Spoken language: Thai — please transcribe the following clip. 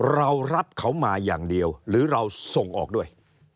เรารับเขามาอย่างเดียวหรือเราส่งออกด้วย